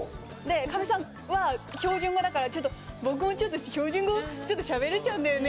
かみさんは標準語だから僕もちょっと標準語ちょっとしゃべれちゃうんだよね。